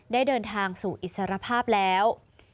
ได้เดินทางสู่อิสรภาพแล้ว